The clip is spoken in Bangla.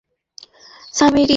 একদল বলল, হে সামিরী!